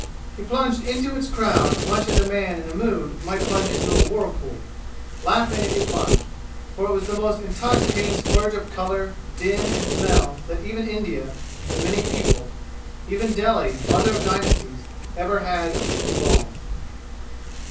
He plunged into its crowd much as a man in the mood might plunge into a whirlpool, laughing as he plunged, for it was the most intoxicating splurge of color, din and smell that even India, the many peopled even Delhi, mother of dynasties ever had evolved.